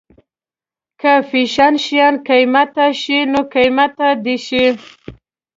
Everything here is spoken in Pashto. که فیشن شيان قیمته شي نو قیمته دې شي.